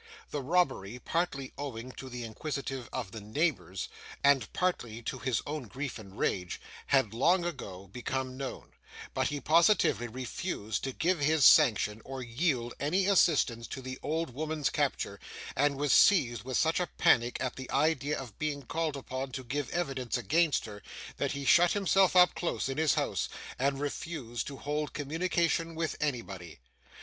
The robbery, partly owing to the inquisitiveness of the neighbours, and partly to his own grief and rage, had, long ago, become known; but he positively refused to give his sanction or yield any assistance to the old woman's capture, and was seized with such a panic at the idea of being called upon to give evidence against her, that he shut himself up close in his house, and refused to hold communication with anybody.